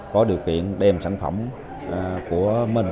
có điều kiện đem sản phẩm của mình